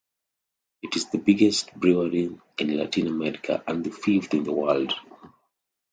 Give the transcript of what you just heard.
It is the biggest brewery in Latin America and the fifth in the world.